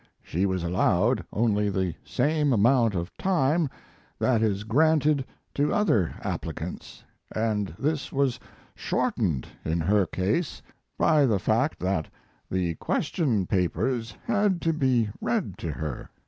She was allowed only the same amount of time that is granted to other applicants, & this was shortened in her case by the fact that the question papers had to be read to her.